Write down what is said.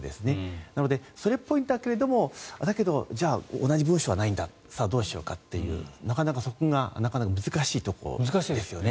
なので、それっぽいんだけど同じ文章はないんださあ、どうしようかというなかなかそこが難しいところですよね。